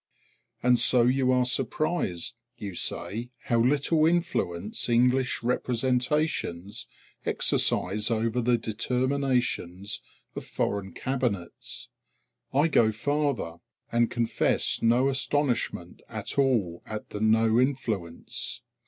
And so you are surprised, you say, how little influence English representations exercise over the determinations of foreign cabinets. I go farther, and confess no astonishment at all at the no influence!